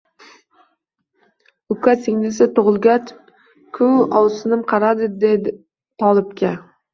Uka-singlisi tug`ilgach-ku ovsinim qaradi Tolibga